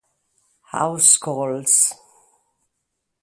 House Calls